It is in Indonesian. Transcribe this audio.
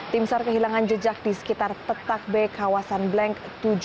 tim sore kehilangan jejak di sekitar petak b kawasan blank tujuh puluh lima